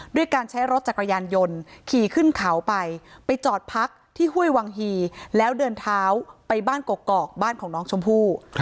ด้วยการใช้รถจักรยานยนต์ขี่ขึ้นเขาไปไปจอดพักที่ห้วยวังฮีแล้วเดินเท้าไปบ้านกกอกบ้านของน้องชมพู่